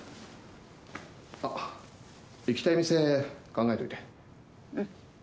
あっ、行きたい店、考えといて。